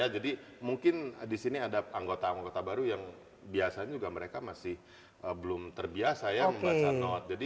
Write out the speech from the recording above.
jadi mungkin disini ada anggota anggota baru yang biasanya juga mereka masih belum terbiasa ya membaca not